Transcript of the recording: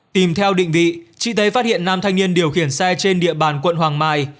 tìm theo định vị chị tây phát hiện nam thanh niên điều khiển xe trên địa bàn quận hoàng mai